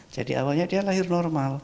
jadi awalnya dia lahir normal